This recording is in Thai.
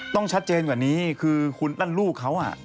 ต้องชัดเจนกว่านี้คือคุณนั่นลูกเขา